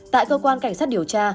tại cơ quan cảnh sát điều tra